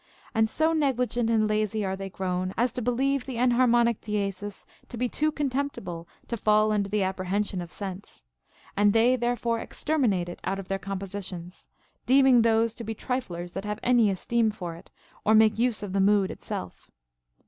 And so negligent and lazy are they grown, as to believe the enhar * See note on Chapter XXXIV. CONCERNING MUSIC. 131 monic diesis to be too contemptible to fiill under the appre hension of sense, and they therefore exterminate it out of their compositions, deeming those to be triflers that have any esteem for it or make use of the mood itself.